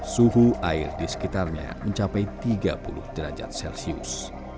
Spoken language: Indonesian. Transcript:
suhu air di sekitarnya mencapai tiga puluh derajat celcius